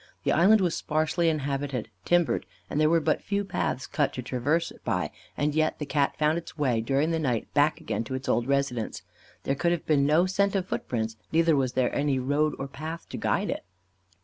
The island was sparsely inhabited, timbered, and there were but few paths cut to traverse it by, and yet the Cat found its way during the night back again to its old residence. There could have been no scent of foot prints, neither was there any road or path to guide it.